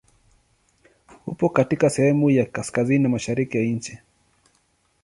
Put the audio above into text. Upo katika sehemu ya kaskazini mashariki ya nchi.